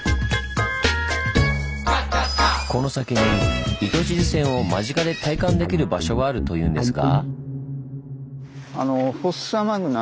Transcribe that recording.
この先に糸静線を間近で体感できる場所があるというんですが。